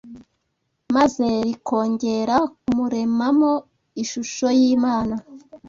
maze rikongera kumuremamo ishusho y’Imana